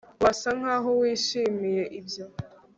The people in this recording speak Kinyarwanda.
Wasa nkaho wishimiye ibyo